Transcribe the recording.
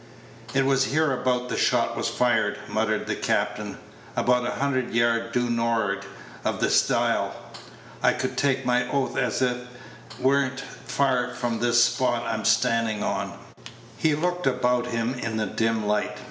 "It was hereabout the shot was fired," muttered the captain; "about a hundred yards due nor'ard of the stile. I could take my oath as it were n't far from this spot I'm standin' on." He looked about him in the dim light.